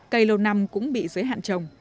cây lầu nằm cũng bị giới hạn trồng